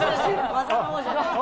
技の方じゃない。